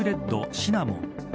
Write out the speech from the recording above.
シナモン。